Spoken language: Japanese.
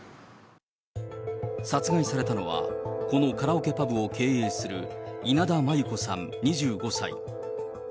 殺害されたのは、このカラオケパブを経営する稲田真優子さん２５歳。